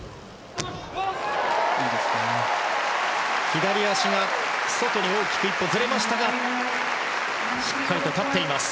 左足が外に大きく１歩ずれましたがしっかりと立っています。